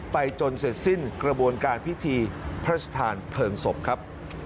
จนเสร็จสิ้นกระบวนการพิธีพระชธานเพลิงศพครับ